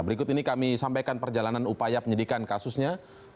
berikut ini kami sampaikan perjalanan upaya penyidikan kasusnya